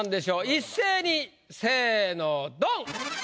一斉にせぇのドン！